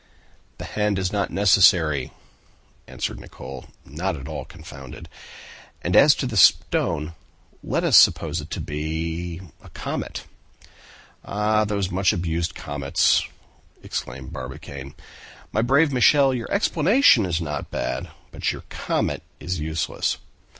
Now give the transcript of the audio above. "The hand is not necessary," answered Nicholl, not at all confounded; "and as to the stone, let us suppose it to be a comet." "Ah! those much abused comets!" exclaimed Barbicane. "My brave Michel, your explanation is not bad; but your comet is useless.